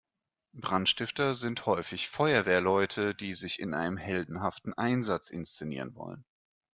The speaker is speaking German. Brandstifter sind häufig Feuerwehrleute, die sich in einem heldenhaften Einsatz inszenieren wollen.